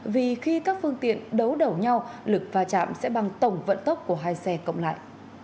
vì khi các phương tiện đấu đầu nhau lực va chạm sẽ bằng tổng vận tốc của hai xe cộng lại